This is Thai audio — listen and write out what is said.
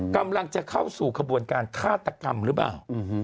กำลังจะเข้าสู่ขบวนการฆาตกรรมหรือเปล่า